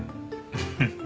フフフ。